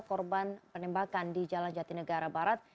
korban penembakan di jalan jati negara barat